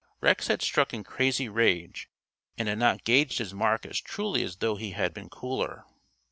Rex had struck in crazy rage and had not gauged his mark as truly as though he had been cooler.